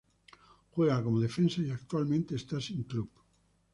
Juega como defensa y actualmente está sin club.